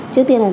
trước tiên là